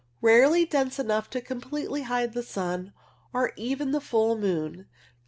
Rarely dense enough to completely hide the sun, or even the full moon. A.